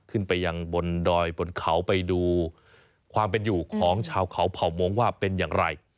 ขึ้นไปยังบนดอยบนเขาไปดูความเป็นอยู่ของชาวเขาเผ่ามงค์ว่าเป็นอย่างไร